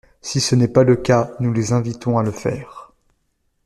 Si ce n’est pas le cas, nous les invitons à le faire.